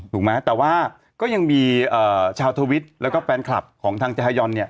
ถูกไหมแต่ว่าก็ยังมีชาวทวิตแล้วก็แฟนคลับของทางจาฮายอนเนี่ย